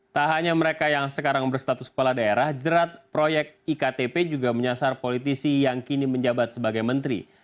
tak hanya mereka yang sekarang berstatus kepala daerah jerat proyek iktp juga menyasar politisi yang kini menjabat sebagai menteri